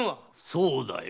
そうだよ。